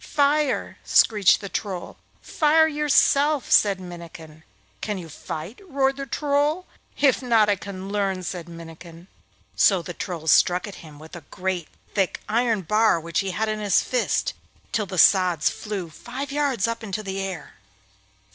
'Fire!' screeched the Troll. 'Fire yourself!' said Minnikin. 'Can you fight?' roared the Troll. 'If not, I can learn,' said Minnikin. So the Troll struck at him with a great thick iron bar which he had in his fist, till the sods flew five yards up into the air.